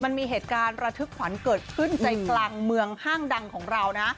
มันมีเหตุการณ์ระทึกขวัญเกิดขึ้นใจกลางเมืองห้างดังของเรานะ